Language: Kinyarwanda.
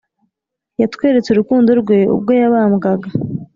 Yatweretse urukundo rwe ubwo yabambwaga